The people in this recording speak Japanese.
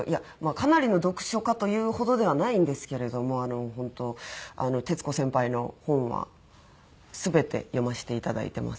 かなりの読書家というほどではないんですけれども本当徹子先輩の本は全て読ませていただいてます。